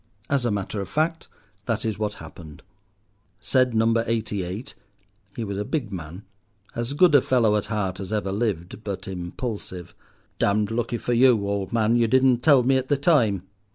As a matter of fact, that is what happened. Said number Eighty eight—he was a big man, as good a fellow at heart as ever lived, but impulsive—"Damned lucky for you, old man, you did not tell me at the time."